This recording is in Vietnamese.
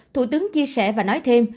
thủ tướng chia sẻ và nói thêm